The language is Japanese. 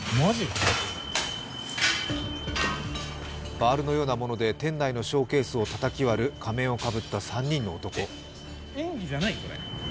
バールのようなもので店内のショーケースをたたき割る仮面をかぶった３人の男。